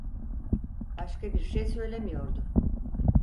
Başka bir şey söylemiyordu.